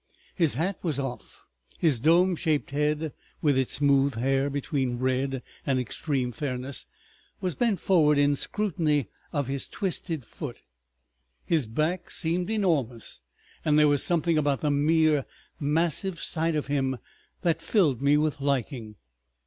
His hat was off, his dome shaped head, with its smooth hair between red and extreme fairness, was bent forward in scrutiny of his twisted foot. His back seemed enormous. And there was something about the mere massive sight of him that filled me with liking.